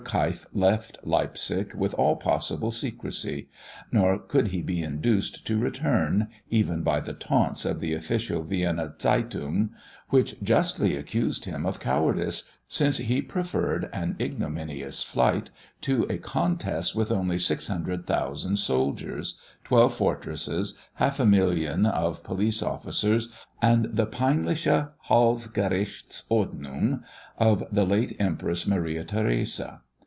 Keif left Leipzig with all possible secresy; nor could he be induced to return, even by the taunts of the official Vienna Zeitung, which justly accused him of cowardice, since he preferred an ignominious flight to a contest with only 600,000 soldiers, twelve fortresses, half a million of police officers, and the "peinliche Halsgerichts Ordnung" of the late Empress Maria Theresa.